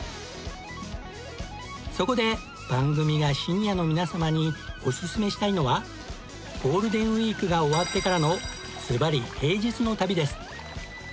そこで番組がシニアの皆様にオススメしたいのはゴールデンウィークが終わってからのずばり平日の旅です。